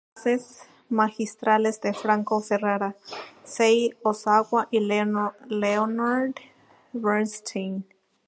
Asistió a clases magistrales de Franco Ferrara, Seiji Ozawa y Leonard Bernstein.